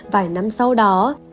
vài năm sau đó